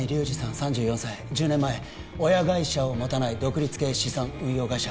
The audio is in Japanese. ３４歳１０年前親会社を持たない独立系資産運用会社